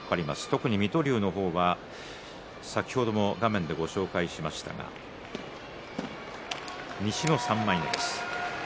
特に水戸龍は先ほども画面でご紹介しましたが西の３枚目です。